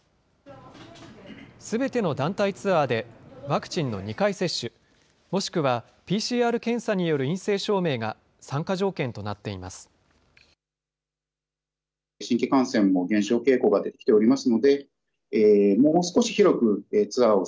すべての団体ツアーでワクチンの２回接種、もしくはＰＣＲ検査による陰性証明が参加条件となっています。